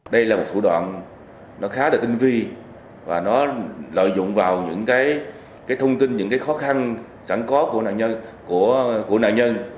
đây là một thủ đoạn nó khá là tinh vi và nó lợi dụng vào những cái thông tin những cái khó khăn sẵn có của nạn nhân